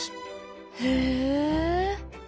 へえ。